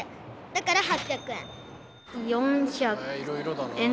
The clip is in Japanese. だから８００円。